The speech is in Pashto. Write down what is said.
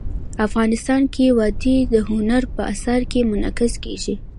افغانستان کې وادي د هنر په اثار کې منعکس کېږي.